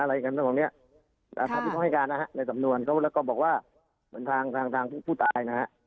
อะไรกันต่อตรงเนี้ยก็ขายต้องการนะฮะในสำนวนเขาก็บอกว่าเหมือนทางทางทางผู้ผู้ตายนะฮะ